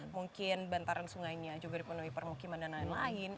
mungkin bantaran sungainya juga dipenuhi permukiman dan lain lain